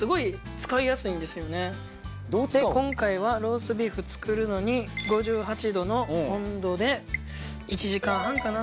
今回はローストビーフ作るのに５８度の温度で１時間半かな？